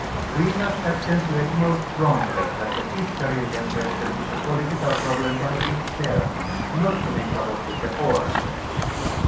We must accentuate most strongly that the East Carelian question is a political jiroblem by itself, ni>t to be coupled with the Aland question.